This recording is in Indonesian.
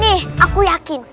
nih aku yakin